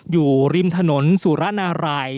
อยู่ริมถนนสุรนาราย